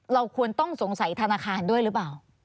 เราควรต้องสงสัยธนาคารด้วยหรือเปล่า